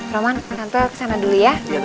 roman tante kesana dulu ya